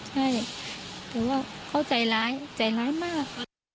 ใช่เขาใจร้ายใจร้ายมาก